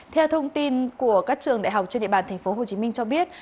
theo thông tin của các trường đại học trên địa bàn tp hcm cho biết